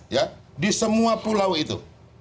ya di semua pulau itu